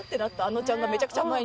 あのちゃんがめちゃくちゃ前。